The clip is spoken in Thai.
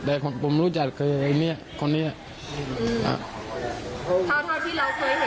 แต่ผมรู้จักก็คือยังเนี่ยกับคนนี้เนี่ย